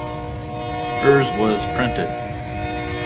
Hers was printed.